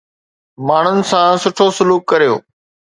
ماڻهن سان سٺو سلوڪ ڪريو